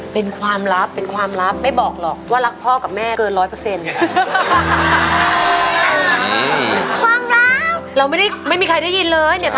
เป็นความลับเป็นความลับไม่บอกหรอกว่ารักพ่อกับแม่เกินร้อยเปอร์เซ็นต์